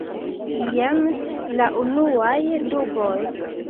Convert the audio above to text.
Jen la unuaj duboj.